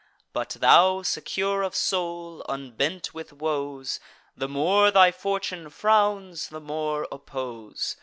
But thou, secure of soul, unbent with woes, The more thy fortune frowns, the more oppose.